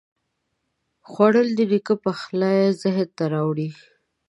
خوړل د نیکه پخلی ذهن ته راوړي